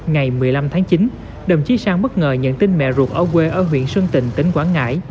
ngày một mươi năm tháng chín đồng chí sang bất ngờ nhận tin mẹ ruột ở quê ở huyện xuân tình tỉnh quảng ngãi